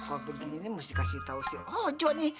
kalau begini mesti kasih tau si hojo nih